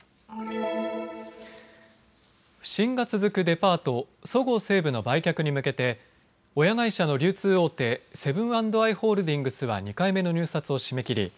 不振が続くデパート、そごう・西武の売却に向けて親会社の流通大手、セブン＆アイ・ホールディングスは２回目の入札を締め切り